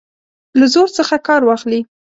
له زور څخه کار واخلي.